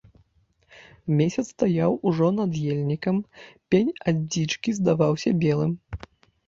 Месяц стаяў ужо над ельнікам, пень ад дзічкі здаваўся белым.